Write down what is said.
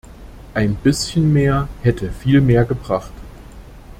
Ein bisschen mehr hätte viel mehr gebracht.